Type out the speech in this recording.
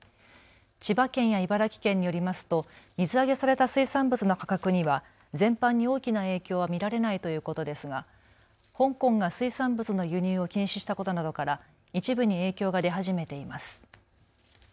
千葉県や茨城県によりますと水揚げされた水産物の価格には全般に大きな影響は見られないということですが、香港が水産物の輸入を禁止したことなどから一部に影響が出始めています。